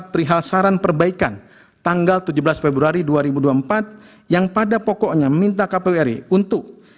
perihal saran perbaikan tanggal tujuh belas februari dua ribu dua puluh empat yang pada pokoknya meminta kpu ri untuk